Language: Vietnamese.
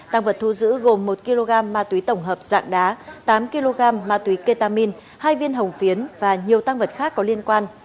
tăng vật thu giữ gồm một kg ma túy tổng hợp dạng đá tám kg ma túy ketamin hai viên hồng phiến và nhiều tăng vật khác có liên quan